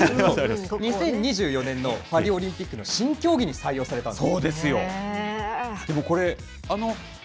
２０２４年のパリオリンピックの新競技に採用されたんです。